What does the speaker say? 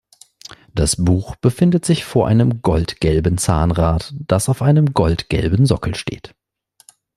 Das Buch befindet sich vor einem goldgelben Zahnrad, das auf einem goldgelben Sockel steht.